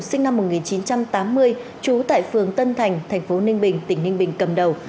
sinh năm một nghìn chín trăm tám mươi trú tại phường tân thành thành phố ninh bình tỉnh ninh bình cầm đầu